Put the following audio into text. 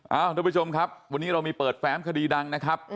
ทุกผู้ชมครับวันนี้เรามีเปิดแฟ้มคดีดังนะครับ